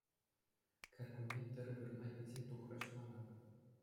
Кӗркунне тыр вырма илсе тухрӗҫ мана.